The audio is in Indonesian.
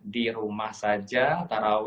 di rumah saja